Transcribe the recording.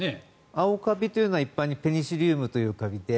青カビというのは一般にペニシリウムというカビで。